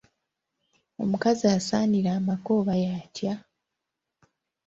Omukazi asaanira amaka oba y'atya?